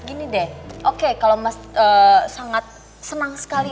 gini deh oke kalau mas sangat senang sekali